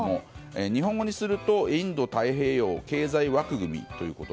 日本語にするとインド太平洋経済枠組み。